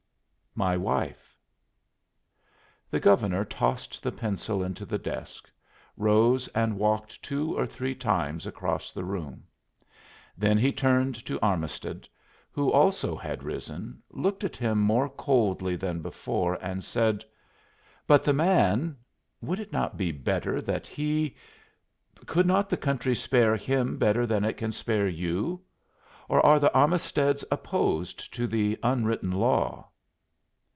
"My wife." The Governor tossed the pencil into the desk, rose and walked two or three times across the room. Then he turned to Armisted, who also had risen, looked at him more coldly than before and said: "But the man would it not be better that he could not the country spare him better than it can spare you? Or are the Armisteds opposed to 'the unwritten law'?"